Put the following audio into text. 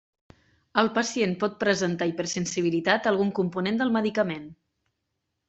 El pacient pot presentar hipersensibilitat a algun component del medicament.